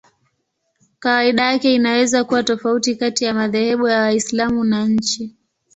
Kawaida yake inaweza kuwa tofauti kati ya madhehebu ya Waislamu na nchi.